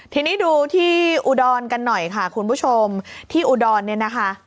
ทีนี้ดูที่อุดรกันหน่อยค่ะคุณผู้ชมที่อุดรเนี่ยนะคะ